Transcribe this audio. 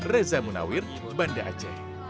reza munawir banda aceh